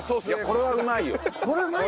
これうまいよね。